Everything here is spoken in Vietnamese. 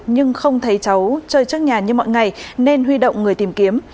nhưng không thấy cháu chơi trước nhà như mọi ngày nên huy động người tìm kiếm